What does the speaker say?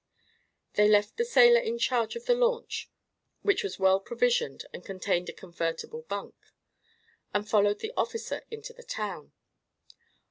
They left the sailor in charge of the launch, which was well provisioned and contained a convertible bunk, and followed the officer into the town.